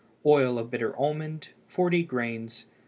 Oil of bitter almond 75 grains.